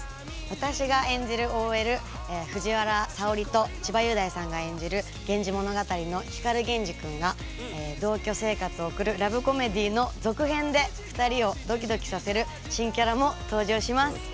私が演じるＯＬ藤原沙織と千葉雄大さんが演じる「源氏物語」の光源氏くんが同居生活を送るラブコメディーの続編で２人をドキドキさせる新キャラも登場します。